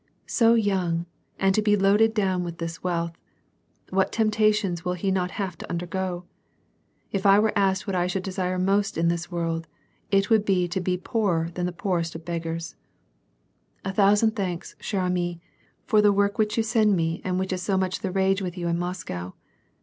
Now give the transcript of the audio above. So young, and to be loaded down with this wealth ; what temptations will he not have to undergo ! If I were asked what I should desire most in this world, it would be to be poorer than the poorest of beggars. " A thousand thanks, cklre amie, for the work which you send me and which is so much the rage with you in Moscow.